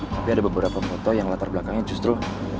tapi ada beberapa foto yang latar belakangnya justru